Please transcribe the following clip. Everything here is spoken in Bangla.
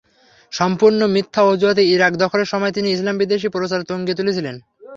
সম্পূর্ণ মিথ্যা অজুহাতে ইরাক দখলের সময় তিনি ইসলামবিদ্বেষী প্রচার তুঙ্গে তুলেছিলেন।